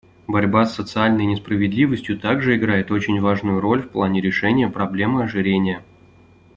Борьба с социальной несправедливостью также играет очень важную роль в плане решения проблемы ожирения.